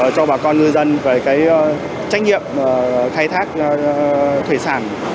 cho bà con ngư dân về trách nhiệm khai thác thủy sản